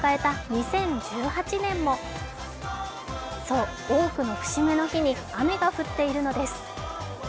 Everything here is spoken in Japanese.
２０１８年もそう、多くの節目の日に雨が降っているのです。